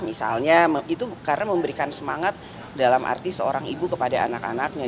misalnya itu karena memberikan semangat dalam arti seorang ibu kepada anak anaknya